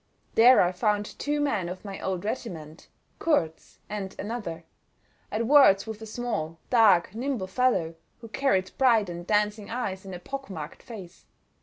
There I found two men of my old regiment—Kurz and another—at words with a small, dark, nimble fellow, who carried bright and dancing eyes in a pock marked face.